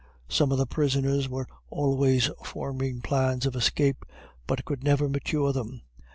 Some of the prisoners were always forming plans of escape, but could never mature them.